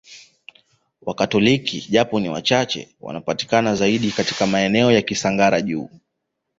Wakatoliki japo ni wachache wanapatikana zaidi katika maeneo ya Kisangara juu